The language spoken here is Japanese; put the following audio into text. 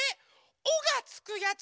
「お」がつくやつ！